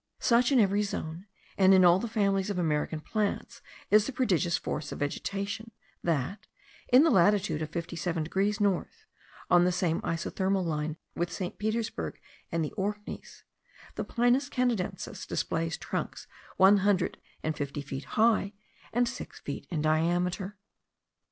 Such, in every zone, and in all the families of American plants, is the prodigious force of vegetation, that, in the latitude of fifty seven degrees north, on the same isothermal line with St. Petersburgh and the Orkneys, the Pinus canadensis displays trunks one hundred and fifty feet high, and six feet in diameter.